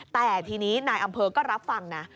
แต่ทีนี้นายอำเภอก็รับฟังนะ